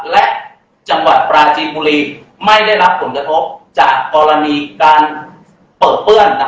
และจังหวัดปราจีนบุรีไม่ได้รับผลกระทบจากกรณีการเปิดเปื้อน